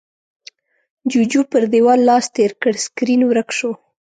جُوجُو پر دېوال لاس تېر کړ، سکرين ورک شو.